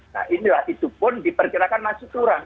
nah inilah itu pun diperkirakan masih kurang